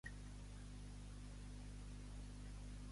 Ell treballa actualment d'orador motivacional.